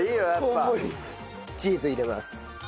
チーズ入れます。